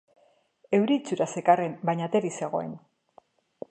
Euri itxura zekarren, baina ateri zegoen.